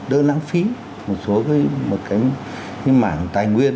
đỡ lãng phí một số cái mảng tài nguyên